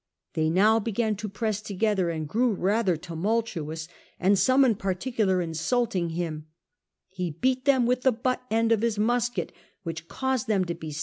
They now began to press together and grew rather tumultuous, and some in 2 )articular insulting him, he beat them with the butt end of his musket, wliicli caused them to be